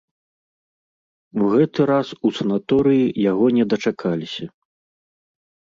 У гэты раз у санаторыі яго не дачакаліся.